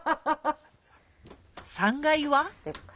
３階は？